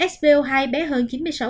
spo hai bé hơn chín mươi sáu